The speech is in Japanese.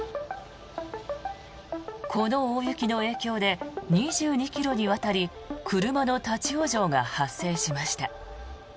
この大雪の影響で２２ｋｍにわたり車の立ち往生が発生しました。